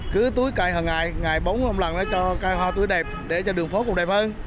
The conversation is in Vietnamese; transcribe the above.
cứ túi cài hằng ngày ngày bóng hôm lần cho cài hoa tươi đẹp để cho đường phố cũng đẹp hơn